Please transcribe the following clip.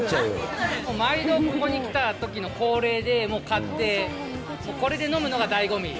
毎度、ここに来たときの恒例で買って、これで飲むのがだいご味。